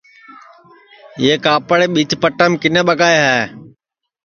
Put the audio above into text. یہ کاپڑے ٻیچ پٹام کِنے ٻگائے ہے